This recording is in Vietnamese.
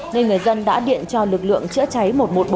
nên người dân đã điện cho lực lượng chữa cháy một trăm một mươi bốn